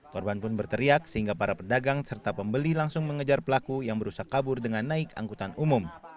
korban pun berteriak sehingga para pedagang serta pembeli langsung mengejar pelaku yang berusaha kabur dengan naik angkutan umum